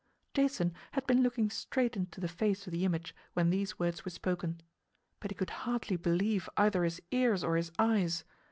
Jason had been looking straight into the face of the image when these words were spoken. But he could hardly believe either his ears or his eyes.